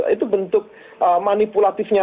itu bentuk manipulatifnya